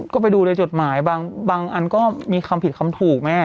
ก็ไปดูในจดหมายบางอันก็มีคำผิดคำถูกแม่